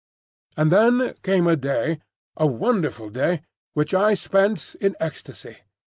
And then came a day, a wonderful day, which I spent in ecstasy.